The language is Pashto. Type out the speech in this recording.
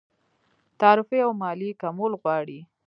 تعرفې او مالیې کمول غواړي.